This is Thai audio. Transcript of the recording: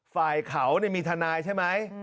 ฝ่ายเขามีทนายใช่ไหม